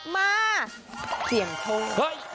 มาเสียงทง